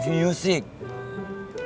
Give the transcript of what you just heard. punya temen saya temennya itu lagi